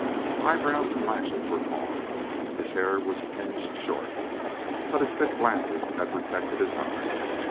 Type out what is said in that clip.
Eyebrows and lashes were gone; his hair was tinged short; but his thick glasses had protected his eyes.